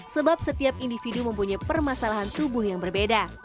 sebab setiap individu mempunyai permasalahan tubuh yang berbeda